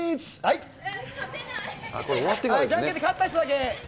じゃんけんで勝った人だけ。